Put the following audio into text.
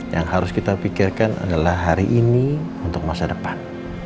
yang harus kita pikirkan adalah hari ini untuk masa depan